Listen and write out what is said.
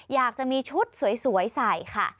อยากจะมีชุดสวยใส่ค่ะ